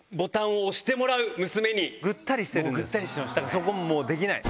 そこもうできない。